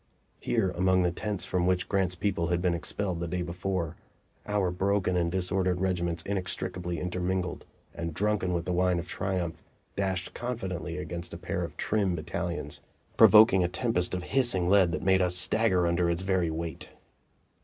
Here, among the tents from which Grant's people had been expelled the day before, our broken and disordered regiments inextricably intermingled, and drunken with the wine of triumph, dashed confidently against a pair of trim battalions, provoking a tempest of hissing lead that made us stagger under its very weight.